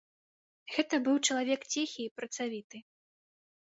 Гэта быў чалавек ціхі і працавіты.